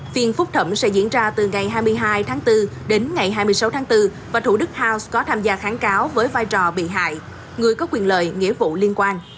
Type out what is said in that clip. phiên phúc thẩm sẽ diễn ra từ ngày hai mươi hai tháng bốn đến ngày hai mươi sáu tháng bốn và thủ đức house có tham gia kháng cáo với vai trò bị hại người có quyền lợi nghĩa vụ liên quan